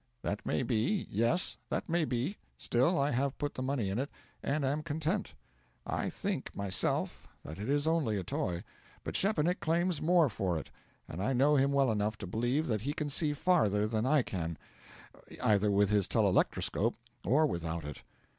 'That may be; yes, that may be; still, I have put the money in it, and am content. I think, myself, that it is only a toy; but Szczepanik claims more for it, and I know him well enough to believe that he can see father than I can either with his telelectroscope or without it.'